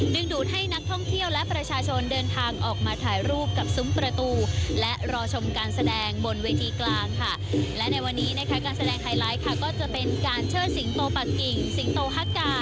ดึงดูดให้นักท่องเที่ยวและประชาชนเดินทางออกมาถ่ายรูปกับซุ้มประตูและรอชมการแสดงบนเวทีกลางค่ะ